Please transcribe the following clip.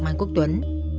mai quốc tuấn